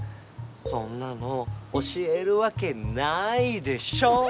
そんなの教えるわけないでしょ！